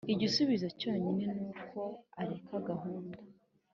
igisubizo cyonyine ni uko areka gahunda.